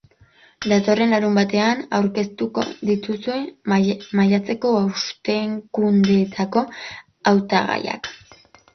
Datorren larunbatean aurkeztuko dituzte maiatzeko hauteskundetako hautagaiak.